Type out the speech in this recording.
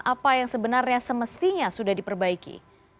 apa yang sebenarnya semestinya sudah diperbaiki